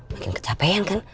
makin kecapean kan